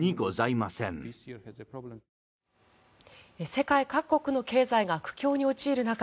世界各国の経済が苦境に陥る中